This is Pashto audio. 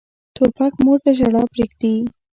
توپک مور ته ژړا پرېږدي.